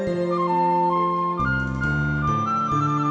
ดวงเหรอครับ